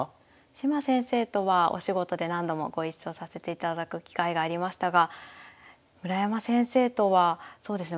島先生とはお仕事で何度もご一緒させていただく機会がありましたが村山先生とはそうですね